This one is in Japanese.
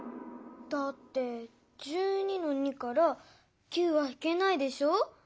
だって１２の２から９はひけないでしょ。